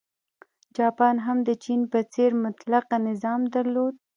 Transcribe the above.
جاپان هم د چین په څېر مطلقه نظام درلود.